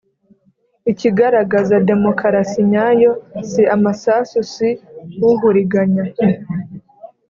ikigaragaza demokarasi nyayo si amasasu si uhuriganya.